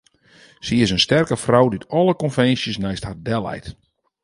Sy is in sterke frou dy't alle konvinsjes neist har delleit.